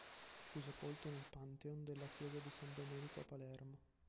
Fu sepolto nel Pantheon della chiesa di San Domenico a Palermo.